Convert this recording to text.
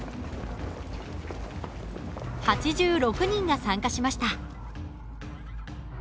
８６人が参加しました。